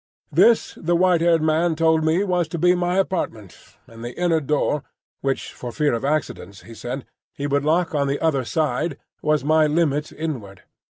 This the white haired man told me was to be my apartment; and the inner door, which "for fear of accidents," he said, he would lock on the other side, was my limit inward.